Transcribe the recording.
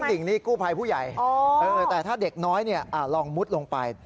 หิ่งนี่กู้ภัยผู้ใหญ่แต่ถ้าเด็กน้อยลองมุดลงไป